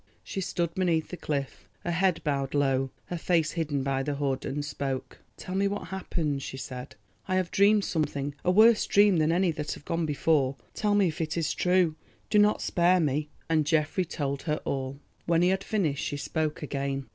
She stood beneath the cliff, her head bowed low, her face hidden by the hood, and spoke. "Tell me what has happened," she said; "I have dreamed something, a worse dream than any that have gone before—tell me if it is true. Do not spare me." And Geoffrey told her all. When he had finished she spoke again.